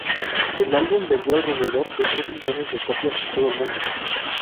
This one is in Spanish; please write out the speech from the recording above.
El álbum vendió alrededor de tres millones de copias en todo el mundo.